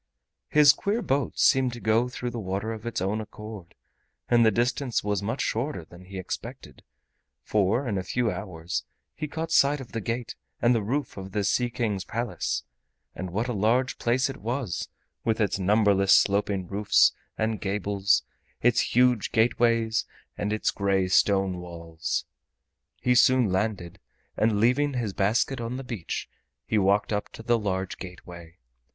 His queer boat seemed to go through the water of its own accord, and the distance was much shorter than he had expected, for in a few hours he caught sight of the gate and the roof of the Sea King's Palace. And what a large place it was, with its numberless sloping roofs and gables, its huge gateways, and its gray stone walls! He soon landed, and leaving his basket on the beach, he walked up to the large gateway.